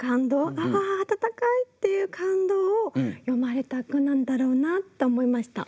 あああたたかいっていう感動を詠まれた句なんだろうなと思いました。